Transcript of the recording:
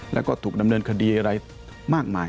แล้วก็ถูกดำเนินคดีอะไรมากมาย